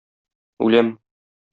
Үләм!